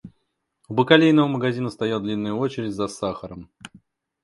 У бакалейного магазина стояла длинная очередь за сахаром.